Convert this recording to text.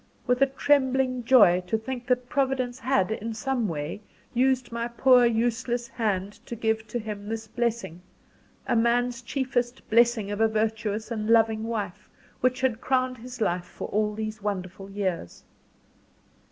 with a trembling joy, to think that Providence had, in some way, used my poor useless hand to give to him this blessing, a man's chiefest blessing of a virtuous and loving wife which had crowned his life for all these wonderful years.